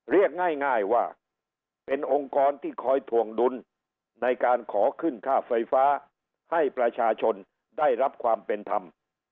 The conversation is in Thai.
เรียกง่ายว่าเป็นองค์กรที่คอยถวงดุลในการขอขึ้นค่าไฟฟ้าให้ประชาชนได้รับความเป็นธรรม